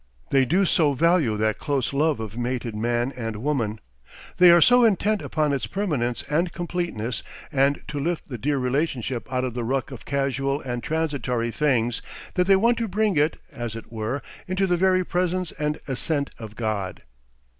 They do so value that close love of mated man and woman, they are so intent upon its permanence and completeness and to lift the dear relationship out of the ruck of casual and transitory things, that they want to bring it, as it were, into the very presence and assent of God.